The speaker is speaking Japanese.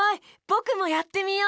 ぼくもやってみよ。